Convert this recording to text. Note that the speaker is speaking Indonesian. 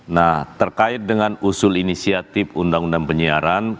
nah terkait dengan usul inisiatif undang undang penyiaran